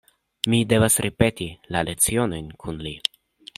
Mi devas ripeti la lecionojn kun li.